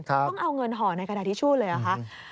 ต้องเอาเงินห่อในกระดาษทิชชู่เลยเหรอคะ